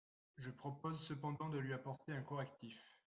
Je propose cependant de lui apporter un correctif.